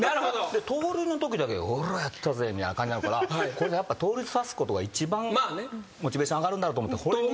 盗塁のときだけ「おらやったぜ」みたいな感じになるからやっぱ盗塁刺すことが一番モチベーション上がるんだろうと思って。